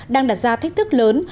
đang đạt ra thách thức lớn